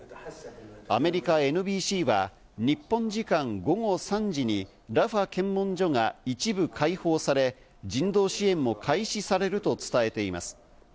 アメリカＮＢＣは日本時間午後３時にラファ検問所が一部開放され、人道支援も開始されると伝えています。